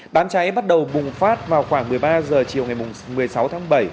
đám cháy bắt đầu bùng phát vào khoảng một mươi ba h chiều ngày một mươi sáu tháng bảy